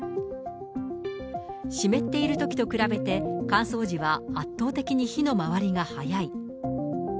湿っているときと比べて、乾燥時は圧倒的に火の回りが早い。